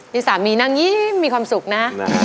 นี่สามีนั่งยิ้มมีความสุขนะ